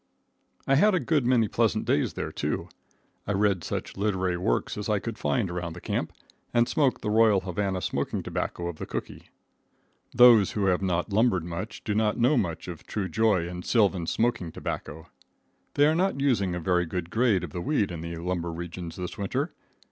I had a good many pleasant days there, too. I read such literary works as I could find around the camp, and smoked the royal Havana smoking tobacco of the cookee. Those who have not lumbered much do not know much of true joy and sylvan smoking tobacco. They are not using a very good grade of the weed in the lumber regions this winter.